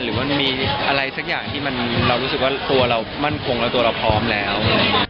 หรือมันมีอะไรสักอย่างที่เรารู้สึกว่าตัวเรามั่นคงแล้วตัวเราพร้อมแล้ว